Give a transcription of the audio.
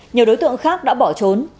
nhiều đối tượng khác đã bỏ trốn